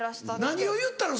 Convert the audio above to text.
何を言ったの？